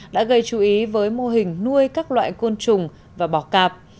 đã gây chú ý với mô hình nuôi các loại côn trùng và bỏ cạp